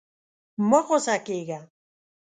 مه غوسه کېږه.